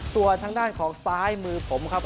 ส่วนทางด้านของซ้ายมือผมครับ